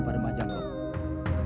pada mbak jamrong